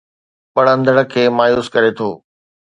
پڙهندڙ کي مايوس ڪري ٿو